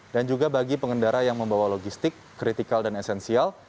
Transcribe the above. dan juga bagi pengendara yang membawa logistik kritikal dan esensial